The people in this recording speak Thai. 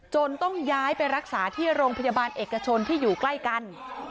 ต้องย้ายไปรักษาที่โรงพยาบาลเอกชนที่อยู่ใกล้กัน